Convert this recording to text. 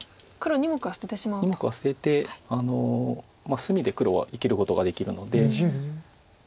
２目は捨てて隅で黒は生きることができるので。